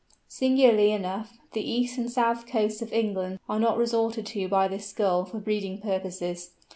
Singularly enough, the east and south coasts of England are not resorted to by this Gull for breeding purposes.